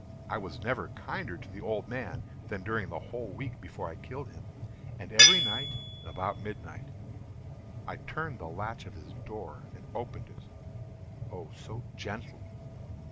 I was never kinder to the old man than during the whole week before I killed him. And every night, about midnight, I turned the latch of his door and opened it—oh, so gently!